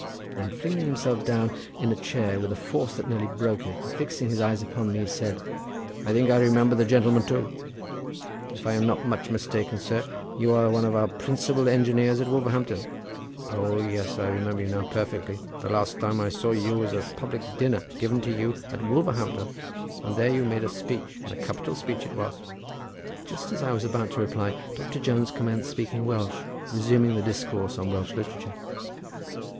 then flinging himself down in a chair with a force that nearly broke it and fixing his eyes upon me said, "I think I remember the gentleman too. If I am not much mistaken, sir, you are one of our principal engineers at Wolverhampton. O yes! I remember you now perfectly. The last time I saw you was at a public dinner given to you at Wolverhampton, and there you made a speech, and a capital speech it was." Just as I was about to reply Doctor Jones commenced speaking Welsh, resuming the discourse on Welsh literature.